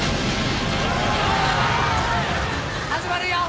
始まるよ！